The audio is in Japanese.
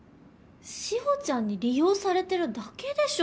志保ちゃんに利用されてるだけでしょ